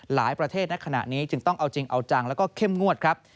ประเทศในขณะนี้จึงต้องเอาจริงเอาจังแล้วก็เข้มงวดครับ